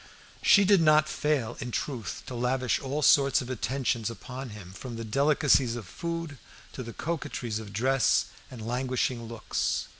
She did not fail, in truth, to lavish all sorts of attentions upon him, from the delicacies of food to the coquettries of dress and languishing looks.